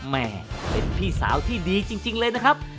แม่เป็นพี่สาวที่ดีจริงเลยนะครับ